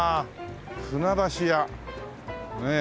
「船橋屋」ねえ。